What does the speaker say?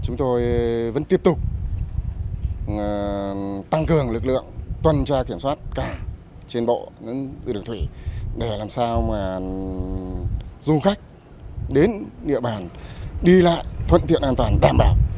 chúng tôi vẫn tiếp tục tăng cường lực lượng tuần tra kiểm soát cả trên bộ đường thủy để làm sao mà du khách đến địa bàn đi lại thuận tiện an toàn đảm bảo